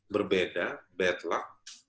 berbeda bad luck